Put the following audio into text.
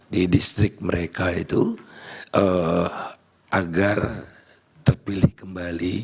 di distrik mereka itu agar terpilih kembali